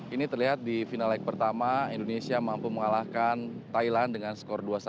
ini terlihat di final leg pertama indonesia mampu mengalahkan thailand dengan skor dua satu